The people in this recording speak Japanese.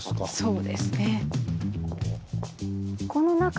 そうですね。